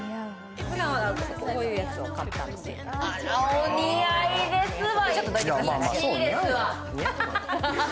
お似合いですわ。